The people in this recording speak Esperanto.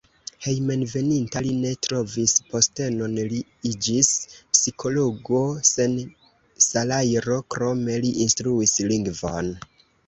Hejmenveninta li ne trovis postenon, li iĝis psikologo sen salajro, krome li instruis lingvon.